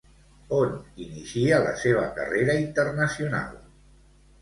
On inicia la seva carrera internacional?